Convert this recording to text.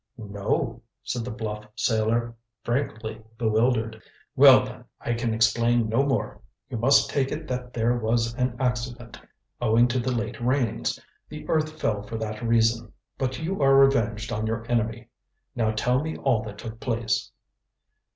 "No," said the bluff sailor, frankly bewildered. "Well, then, I can explain no more. You must take it that there was an accident owing to the late rains. The earth fell for that reason. But you are revenged on your enemy. Now tell me all that took place."